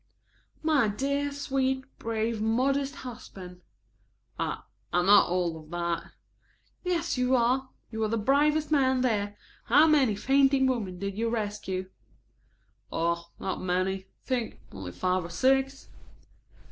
"My dear, sweet, brave, modest husband." "I I'm not all of that." "Yes you are. You were the bravest man there. How many fainting women did you rescue?" "Oh, not many. I think only five or six."